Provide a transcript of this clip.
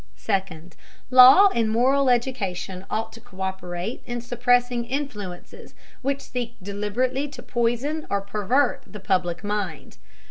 Second, law and moral education ought to co÷perate in suppressing influences which seek deliberately to poison or pervert the public mind.